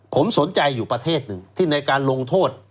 ผมสนใจอยู่ประเทศหนึ่งที่ในการลงโทษ